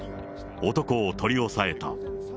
男を取り押さえた。